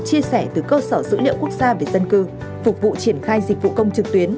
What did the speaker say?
chia sẻ từ cơ sở dữ liệu quốc gia về dân cư phục vụ triển khai dịch vụ công trực tuyến